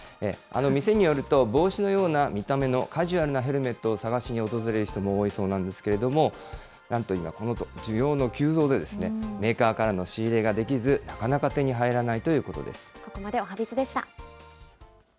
店によると、帽子のような見た目もカジュアルなヘルメットを探しに訪れる人も多いそうなんですけれども、なんと需要の急増で、メーカーからの仕入れができず、なかなか手に入らないということおはＢｉｚでした。